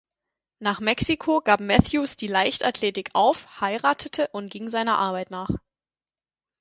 Nach Mexiko gab Matthews die Leichtathletik auf, heiratete und ging seiner Arbeit nach.